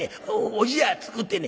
おじや作ってね